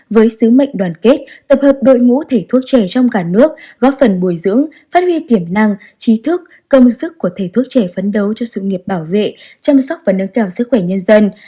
với sứ mệnh đoàn kết tập hợp đội ngũ thầy thuốc trẻ trong cả nước góp phần bồi dưỡng phát huy tiềm năng trí thức công sức của thầy thuốc trẻ phấn đấu cho sự nghiệp bảo vệ chăm sóc và nâng cao sức khỏe nhân dân